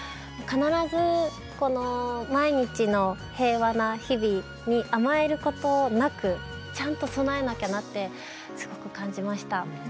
必ずこの毎日の平和な日々に甘えることなくちゃんと備えなきゃなってすごく感じました。